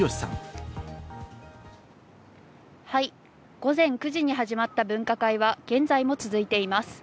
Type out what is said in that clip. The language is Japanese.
午前９時に始まった分科会は現在も続いています。